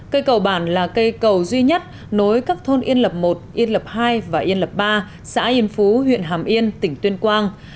cây cầu bản là cây cầu duy nhất nối các thôn yên lập một yên lập hai và yên lập ba xã yên phú huyện hàm yên tỉnh tuyên quang